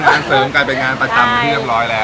เสริมกลายเป็นงานประจำที่เรียบร้อยแล้ว